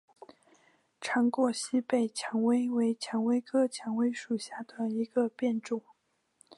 长果西北蔷薇为蔷薇科蔷薇属下的一个变种。